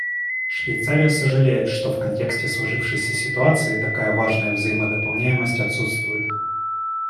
Швейцария сожалеет, что в контексте сложившейся ситуации такая важная взаимодополняемость отсутствует.